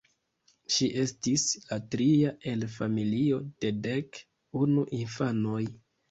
Ŝi estis la tria el familio de dek unu infanoj.